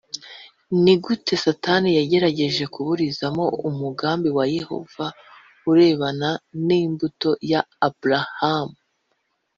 Ni gute satani yagerageje kuburizamo umugambi wa yehova urebana n imbuto ya aburahamu